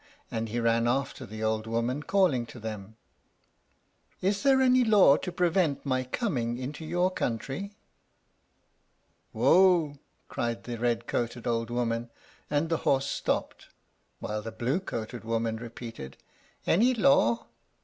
and he ran after the old women, calling to them, "Is there any law to prevent my coming into your country?" "Wo!" cried the red coated old woman, and the horse stopped, while the blue coated woman repeated, "Any law?